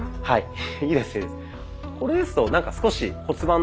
はい。